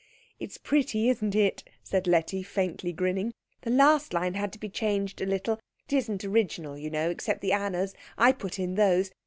"It's pretty, isn't it," said Letty, faintly grinning. "The last line had to be changed a little. It isn't original, you know, except the Annas. I put in those.